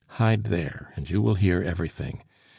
Hide there, and you will hear everything.